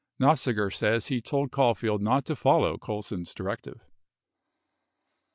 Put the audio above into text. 37 Nofziger says he told Caulfield not to follow Colson's directive.